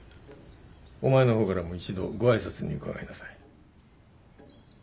お前の方からも一度ご挨拶に伺いなさい。